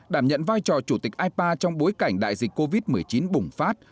đảm nhận vai trò chủ tịch ipa trong bối cảnh đại dịch covid một mươi chín bùng phát